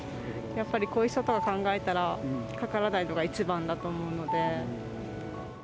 やっぱり後遺症とか考えたら、かからないのが一番だと思うので。